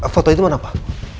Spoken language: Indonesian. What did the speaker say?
foto itu mana pak